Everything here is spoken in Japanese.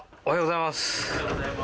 おはようございます。